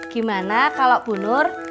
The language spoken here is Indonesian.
gimana kalau bu nur